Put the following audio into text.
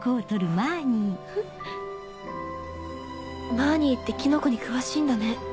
マーニーってキノコに詳しいんだね。